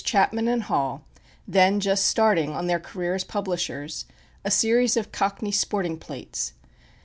Chapman and Hall, then just starting on their career as publishers, a "series of Cockney sporting plates."